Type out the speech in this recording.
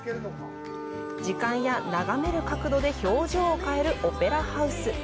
時間や眺める角度で表情を変えるオペラハウス。